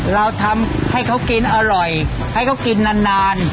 เราทำให้เขากินอร่อยให้เขากินนาน